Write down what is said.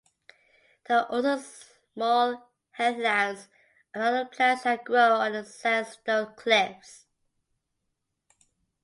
There are also small heathlands and other plants that grow on the sandstone cliffs.